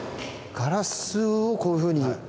ガラスをこういうふうに。